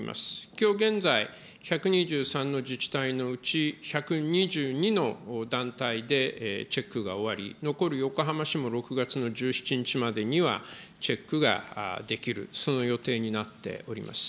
きょう現在、１２３の自治体のうち、１２２の団体でチェックが終わり、残る横浜市も６月の１７日までにはチェックができる、その予定になっております。